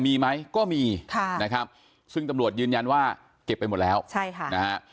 มีไหมก็มีค่ะนะครับซึ่งตำรวจยืนยันว่าเก็บไปหมดแล้วใช่ค่ะนะฮะ